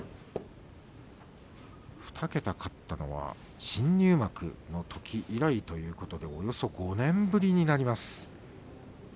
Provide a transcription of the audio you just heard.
２桁勝ったのは新入幕のとき以来ということでおよそ５年ぶりになります。